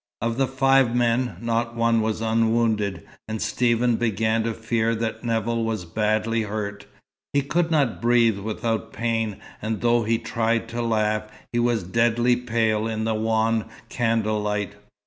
Of the five men, not one was unwounded, and Stephen began to fear that Nevill was badly hurt. He could not breathe without pain, and though he tried to laugh, he was deadly pale in the wan candlelight.